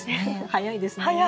早いですね。